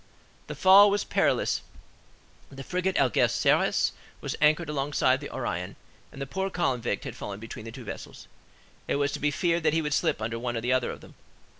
The fall was perilous. The frigate Algésiras was anchored alongside the Orion, and the poor convict had fallen between the two vessels: it was to be feared that he would slip under one or the other of them.